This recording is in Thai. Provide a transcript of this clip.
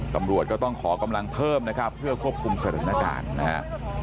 ตำรวจก็ต้องขอกำลังเพิ่มนะครับเพื่อควบคุมสถานการณ์นะฮะ